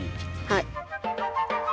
はい。